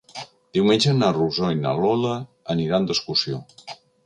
Diumenge na Rosó i na Lola aniran d'excursió.